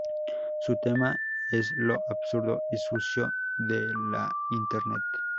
Su tema es lo absurdo y sucio de la internet.